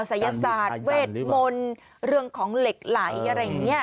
ศัยศาสตร์เวทมนต์เรื่องของเหล็กไหลอะไรอย่างนี้